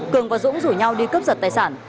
cường và dũng rủ nhau đi cướp giật tài sản